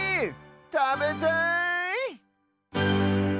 たべたい！